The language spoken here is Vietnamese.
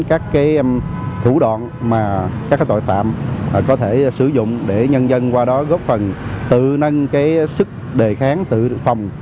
các thủ đoạn mà các tội phạm có thể sử dụng để nhân dân qua đó góp phần tự nâng sức đề kháng tự phòng